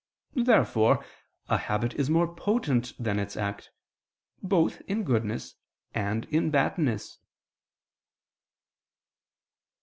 Therefore a habit is more potent than its act, both in goodness and in badness.